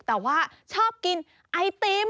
แต่ว่าชอบกินไอติม